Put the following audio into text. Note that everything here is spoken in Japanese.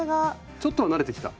ちょっとは慣れてきた？